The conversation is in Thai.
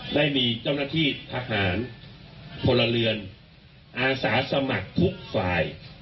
ได้มีเจ้าหน้าที่ทหารพลเรือนอาสาสมัครทุกฝ่าย